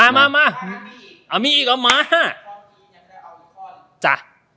ในช่วงไทยรัฐเราเนี่ยก็จะ